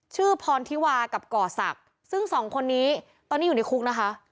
พรธิวากับก่อศักดิ์ซึ่งสองคนนี้ตอนนี้อยู่ในคุกนะคะ